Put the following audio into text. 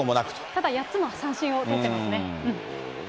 ただ８つの三振を取ってますね。